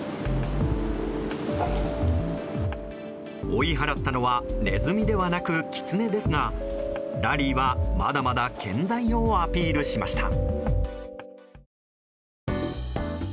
追い払ったのはネズミではなくキツネですがラリーは、まだまだ健在をアピールしました。